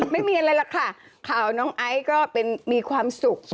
ไม่มีอะไรนะคะเขาน้องไอ้ก็เป็นมีความสุข